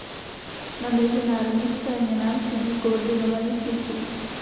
Na mezinárodní scéně nám chybí koordinovaný přístup.